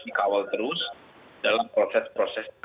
dikawal terus dalam proses proses